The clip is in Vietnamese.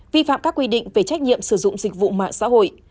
vi phạm các quy định về trách nhiệm sử dụng dịch vụ mạng xã hội